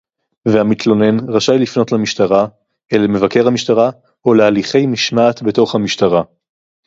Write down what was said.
והמתלונן רשאי לפנות למשטרה - אל מבקר המשטרה או להליכי משמעת בתוך המשטרה